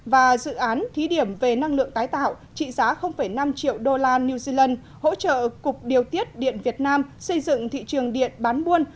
và dự án thí điểm về năng lượng tái tạo trị giá năm triệu đô la new zealand hỗ trợ cục điều tiết điện việt nam xây dựng thị trường điện bán buôn